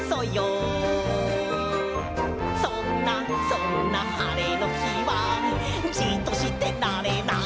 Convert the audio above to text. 「そんなそんな晴れの日はじっとしてられない！」